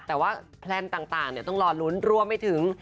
แต่ว่าแพลนต่างต้องรอลุ้นรวมไปถึง